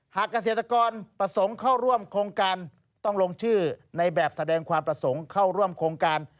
เกษตรกรประสงค์เข้าร่วมโครงการต้องลงชื่อในแบบแสดงความประสงค์เข้าร่วมโครงการ